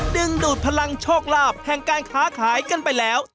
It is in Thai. ดึงดูดพลังโชคลาภแห่งการค้าขายกันไปแล้ว